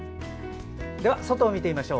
では外を見てみましょう。